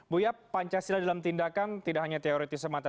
buya pancasila dalam tindakan tidak hanya teori tisamata